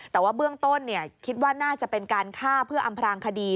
แต่ว่าเบื้องต้นคิดว่าน่าจะเป็นการฆ่าเพื่ออำพลางคดี